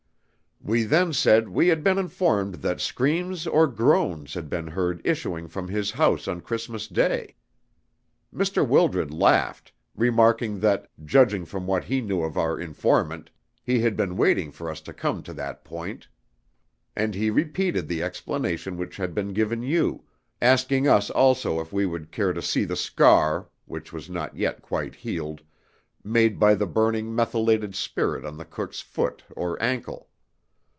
"We then said we had been informed that screams or groans had been heard issuing from his house on Christmas Day. Mr. Wildred laughed, remarking that, judging from what he knew of our informant, he had been waiting for us to come to that point. "And he repeated the explanation which had been given you, asking us also if we would care to see the scar (which was not yet quite healed) made by the burning methylated spirit on the cook's foot or ankle.